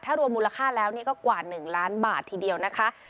ถ้ารวมมูลค่าแล้วนี่ก็กว่า๑ล้านบาททีเดียวนะคะ